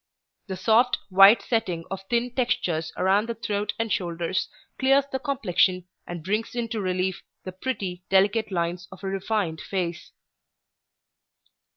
The soft, white setting of thin textures around the throat and shoulders clears the complexion and brings into relief the pretty, delicate lines of a refined face.